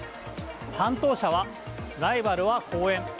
担当者は、ライバルは公園。